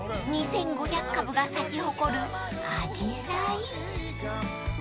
［２，５００株が咲き誇るあじさい］